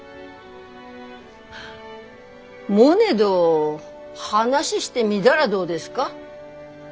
モネど話してみだらどうですか？